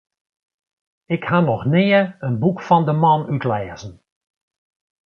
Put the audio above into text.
Ik ha noch nea in boek fan de man útlêzen.